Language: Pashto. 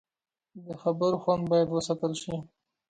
د خبرو خوند باید وساتل شي